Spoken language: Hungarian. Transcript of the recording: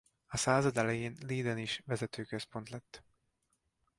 A század elején Leiden is vezető központ lett.